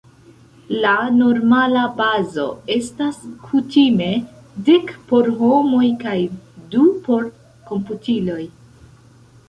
La normala bazo estas kutime dek por homoj kaj du por komputiloj.